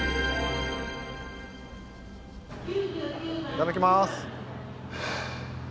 いただきます。